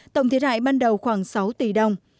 tổng thiệt hại ban đầu khoảng sáu tỷ đồng